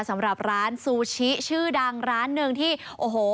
สำหรับร้านซูชิชื่อดังร้านหนึ่งที่โอ้โห